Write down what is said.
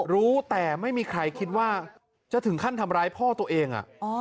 รู้แต่ไม่มีใครคิดว่าจะถึงขั้นทำร้ายพ่อตัวเอง